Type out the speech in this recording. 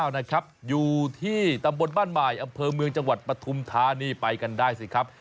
นะครับอยู่ที่ตำบลบ้านใหม่อำเภอเมืองจังหวัดปฐุมธานีไปกันได้สิครับ